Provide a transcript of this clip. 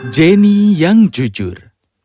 jenny yang jujur